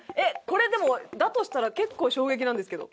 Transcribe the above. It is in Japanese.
これでもだとしたら結構衝撃なんですけど。